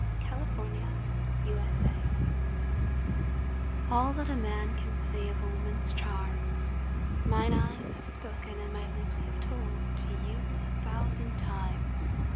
A BACHELOR TO A MARRIED FLIRT ALL that a man can say of woman's charms, Mine eyes have spoken and my lips have told To you a thousand times.